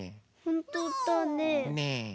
ほんとだね。